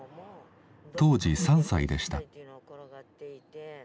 当時３歳でした。